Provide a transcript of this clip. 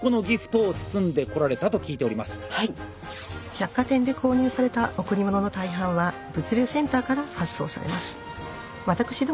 百貨店で購入された贈り物の大半は物流センターから発送されます。